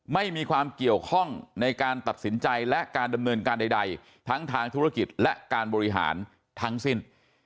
ไม่มีความเกี่ยวข้องในการตัดสินใจและการดำเนินการใดทั้งทางธุรกิจและการบริหารทั้งสิ้น